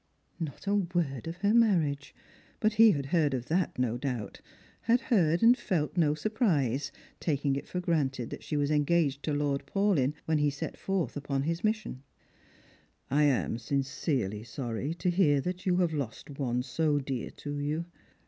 Not a word of her marriage ; but he had heard of that, no doubt ; had heard and had felt no surprise, taking it for granted ^hat she was engaged to Lord Paulyn when he set forth upon ois mission. " I am sincerely sorry to hear you have lost one so dear to you.